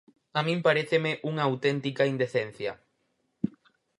A min paréceme unha auténtica indecencia.